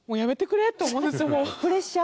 プレッシャー？